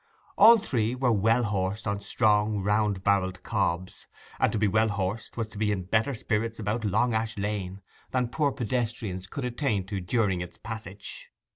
All three were well horsed on strong, round barrelled cobs; and to be well horsed was to be in better spirits about Long Ash Lane than poor pedestrians could attain to during its passage.